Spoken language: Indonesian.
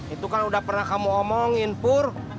itu kan udah pernah kamu omongin pur